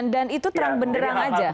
dan itu terang benderang aja